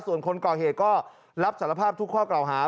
ส่วนคนกล่องเหตุก็รับศาลภาพทุกข้อเกราะหา